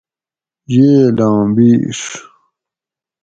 ییلاں بِیڛ